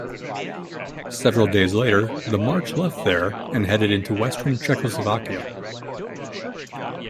Several days later the march left there and headed into western Czechoslovakia.